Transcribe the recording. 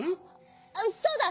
あっそうだ。